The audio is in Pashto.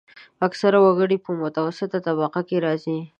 اکثره وګړي په متوسطه طبقه کې راځي.